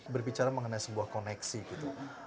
berbicara mengenai sebuah koneksi gitu